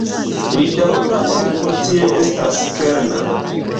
Lia daŭra helpo tie estas kerna.